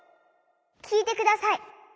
きいてください。